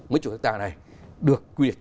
mấy chỗ đất đai này được quy định